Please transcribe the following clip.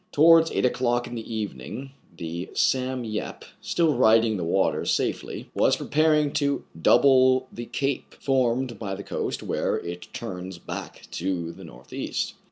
Towards eight o'clock in the evening, the " Sam Yep," still riding the waters safely, was preparing to double the cape, formed by the coast where it turns back to the north east.